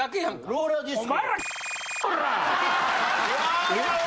ローラーディスコ。わ！